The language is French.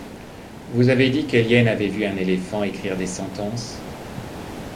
Vous avez dit qu’Élien avait vu un éléphant écrire des sentences.